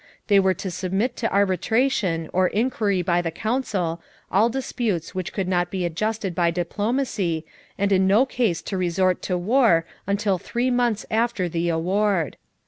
They were to submit to arbitration or inquiry by the Council all disputes which could not be adjusted by diplomacy and in no case to resort to war until three months after the award.